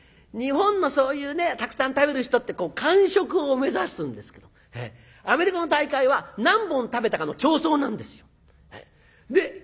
日本のそういうたくさん食べる人って完食を目指すんですけどアメリカの大会は何本食べたかの競争なんですよ。